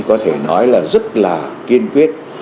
có thể nói là rất là kiên quyết